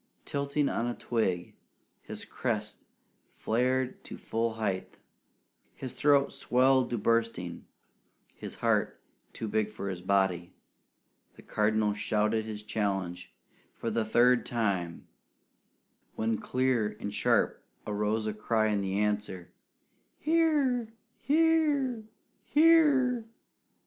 Tilting on a twig, his crest flared to full height, his throat swelled to bursting, his heart too big for his body, the Cardinal shouted his challenge for the third time; when clear and sharp arose a cry in answer, "Here! Here! Here!"